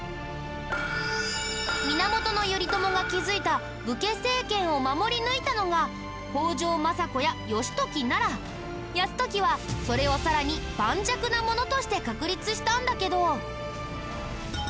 源頼朝が築いた武家政権を守り抜いたのが北条政子や義時なら泰時はそれをさらに盤石なものとして確立したんだけど。